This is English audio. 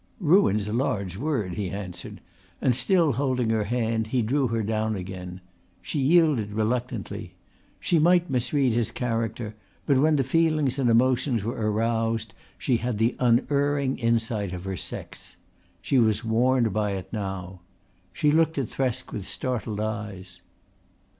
"Ruin's a large word," he answered, and still holding her hand he drew her down again. She yielded reluctantly. She might misread his character, but when the feelings and emotions were aroused she had the unerring insight of her sex. She was warned by it now. She looked at Thresk with startled eyes.